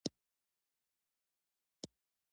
پر دښتونو د خپلواکۍ ږغ را شین شي